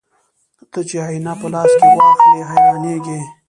ته چې آيينه په لاس کې واخلې حيرانېږې